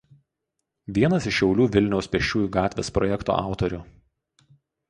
Vienas iš Šiaulių Vilniaus pėsčiųjų gatvės projekto autorių.